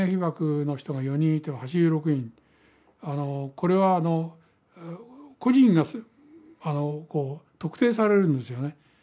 これはあの個人がこう特定されるんですよね。